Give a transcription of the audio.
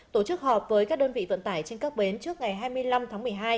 tổ chức họp với các đơn vị vận tải trên các bến trước ngày hai mươi năm tháng một mươi hai